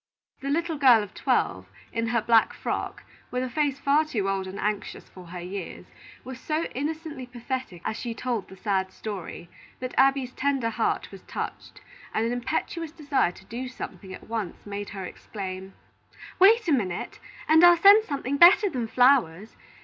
The little girl of twelve, in her black frock, with a face far too old and anxious for her years, was so innocently pathetic as she told the sad story, that Abby's tender heart was touched, and an impetuous desire to do something at once made her exclaim: "Wait a minute, and I'll send something better than flowers.